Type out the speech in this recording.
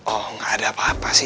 oh nggak ada apa apa sih